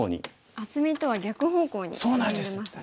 厚みとは逆方向に進んでますね。